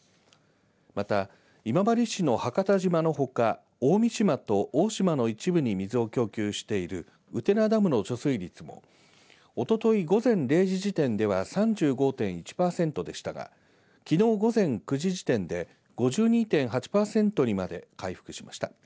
また今治市の伯方島のほか大三島と大島の一部に水を供給している台ダムの貯水率もおととい午前０時時点では３５．１パーセントでしたがきのう午前９時時点で５２．８パーセントにまで回復しました。